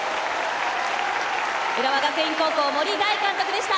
浦和学院高校森大監督でした。